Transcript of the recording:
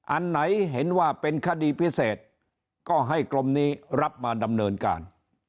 อันไหนเห็นว่าเป็นคดีพิเศษก็ให้กรมนี้รับมาดำเนินการ